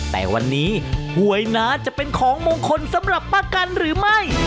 แต่วันนี้หวยน้าจะเป็นของมงคลสำหรับป้ากันหรือไม่